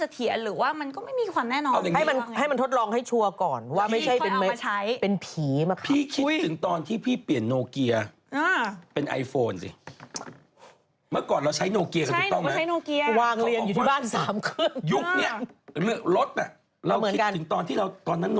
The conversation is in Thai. เขาบอกว่าเดี๋ยวนิดนึงจอดรถน่ะไม่ต้องอย่างนี้นะ